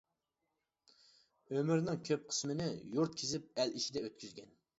ئۆمرىنىڭ كۆپ قىسمىنى يۇرت كېزىپ ئەل ئىچىدە ئۆتكۈزگەن.